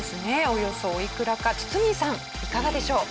およそおいくらか堤さんいかがでしょう？